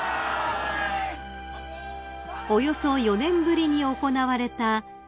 ［およそ４年ぶりに行われた提灯奉迎］